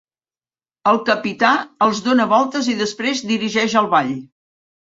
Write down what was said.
El capità els dóna voltes i després dirigeix el ball.